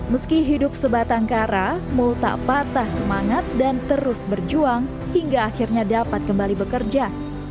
meski hidup sebatang kara mul tak patah semangat dan terus berjuang hingga akhirnya dapat kembali bekerja